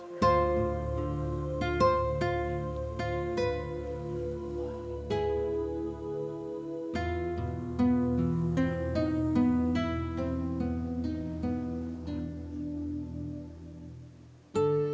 alhamdulillah ya allah